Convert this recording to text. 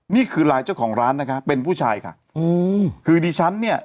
นี่คือไลน์เจ้าของร้านนะคะเป็นผู้ชายค่ะอืมคือดิฉันเนี่ย